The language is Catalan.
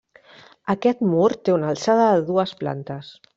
Aquest mur té una alçada de dues plantes.